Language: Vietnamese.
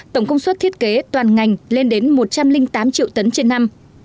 tổng công suất thiết kế toàn ngành lên đến một trăm linh tám triệu tấn trên năm